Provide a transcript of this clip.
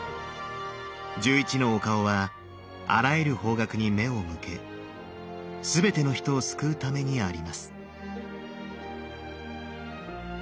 １１のお顔はあらゆる方角に目を向け全ての人を救うためにあります。